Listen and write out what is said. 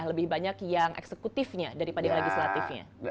lebih banyak yang eksekutifnya daripada legislatifnya